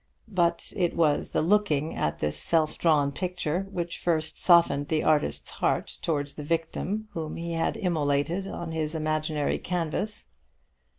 But it was the looking at this self drawn picture which first softened the artist's heart towards the victim whom he had immolated on his imaginary canvas.